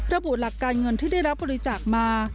ระบุหลักการเงินที่ได้รับบริจาคมา